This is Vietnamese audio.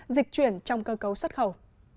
dịch chuyển trong cơ cấu xuất khẩu